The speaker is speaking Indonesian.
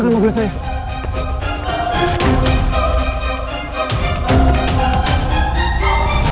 jututngfulness ini yang ngeh